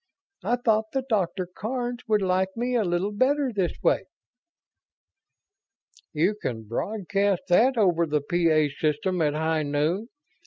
I thought the Doctor Karns would like me a little better this way." "You can broadcast that over the P A system at high noon."